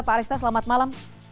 pak arista selamat malam